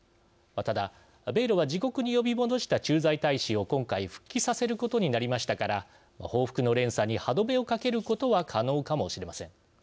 ただ米ロは自国に呼び戻した駐在大使を今回復帰させることになりましたから報復の連鎖に歯止めをかけることは可能かもしれません。